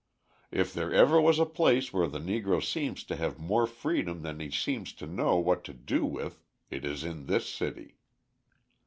If there ever was a place where the Negro seems to have more freedom than he seems to know what to do with, it is in this city.